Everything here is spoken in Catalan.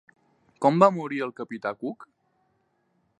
Com va morir el capità Cook?